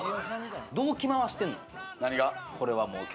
どう着回してんの？